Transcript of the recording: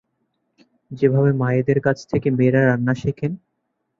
যেভাবে মায়েদের কাছ থেকে মেয়েরা রান্না শেখেন।